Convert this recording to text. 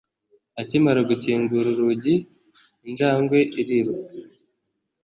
Akimara gukingura urugi, injangwe iriruka.